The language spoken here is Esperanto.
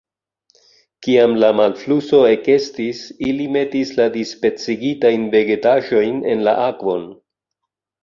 Kiam la malfluso ekestis, ili metis la dispecigitajn vegetaĵojn en la akvon.